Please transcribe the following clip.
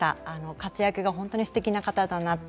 活躍が本当にすてきな方だなと。